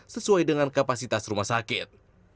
sesuai dengan kapasitas rumah sakit